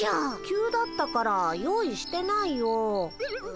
急だったから用意してないよ。